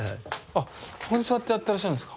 あっここに座ってやってらっしゃるんすか。